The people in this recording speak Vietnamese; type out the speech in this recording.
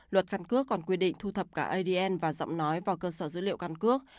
luật căn cước còn quy định thu thập cả adn và giọng nói vào cơ sở dữ liệu căn cước